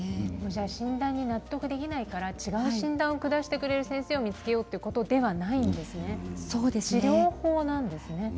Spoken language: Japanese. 診断に納得ができないから違う診断を下してもらう先生をて見つけたいということじゃないんですね、治療法なんですね。